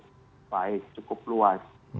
cukup baik cukup luas